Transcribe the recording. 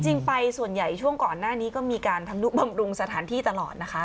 จริงไปส่วนใหญ่ช่วงก่อนหน้านี้ก็มีการทำนุบำรุงสถานที่ตลอดนะคะ